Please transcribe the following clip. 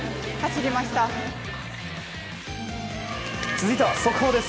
続いては速報です。